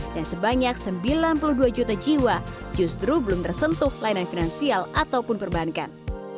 dan sebanyak sembilan puluh dua juta jiwa justru belum tersentuh layanan finansial ataupun perbankan